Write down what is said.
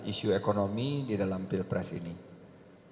isu ekonomi di dalam pil presiden